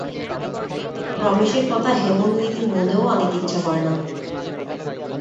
রমেশের কথা হেমনলিনী মনেও আনিতে ইচ্ছা করে না।